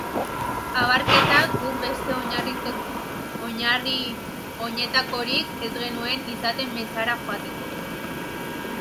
Abarketak, guk beste oinetakorik ez genuen izaten mezara joateko.